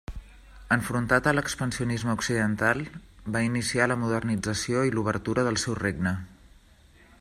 Enfrontat a l'expansionisme occidental, va iniciar la modernització i l'obertura del seu regne.